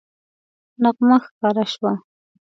نغمه ښکاره شوه